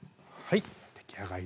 はい